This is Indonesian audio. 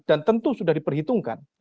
dan tentu sudah diperhitungkan